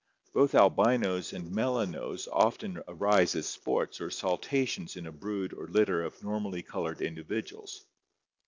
Both albinos and melanos often arise as sports or saltations in a brood or litter of normally colored individuals.